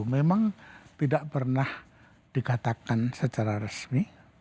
memang tidak pernah dikatakan secara resmi